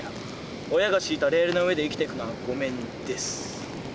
親が敷いたレールの上で生きてくのはごめんです。